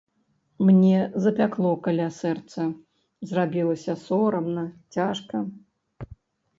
Мне запякло каля сэрца, зрабілася сорамна, цяжка.